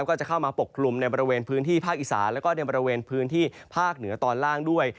ก็จะเข้ามาปกคลุมในบริเวณพื้นที่ภาคอีสานแล้วก็ในบริเวณพื้นที่ภาคเหนือตอนล่างด้วย